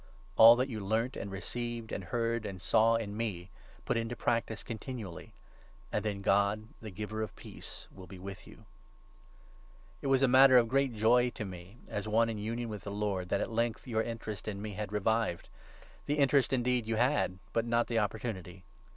All that you learnt and received and heard 9 and saw in me put into practice continually ; and then God, the giver of peace, will be with you. The oi« ^ was a matter °f great joy to me, as one in 10 from union with the Lord, that at length your interest Phiiippi. in me had revived. The interest indeed you had, but not the opportunity.